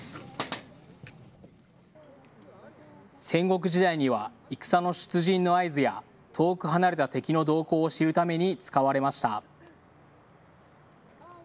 戦国時代には戦の出陣の合図や遠く離れた敵の動向を知るために使われました。